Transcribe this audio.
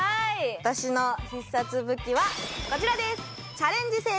私の必殺武器はこちらです